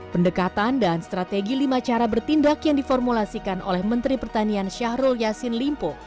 pendekatan dan strategi lima cara bertindak yang diformulasikan oleh menteri pertanian syahrul yassin limpo